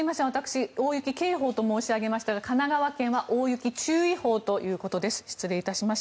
大雪警報と申し上げましたが、神奈川県は大雪注意報ということです。